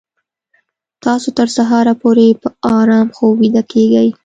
تاسو تر سهاره پورې په ارام خوب ویده کیږئ